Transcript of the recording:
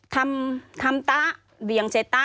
ทำทำต๊ะเวียงเศษต๊ะ